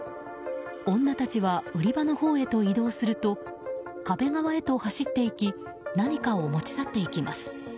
女たちは売り場のほうへと移動すると壁側へと走っていき何かを持ち去っていきます。